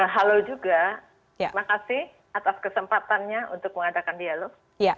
halo juga terima kasih atas kesempatannya untuk mengadakan dialog